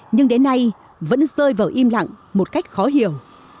nhưng đến nay vẫn rơi vào im lặng một cách khó hiểu